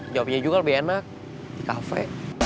jawabannya juga lebih enak di cafe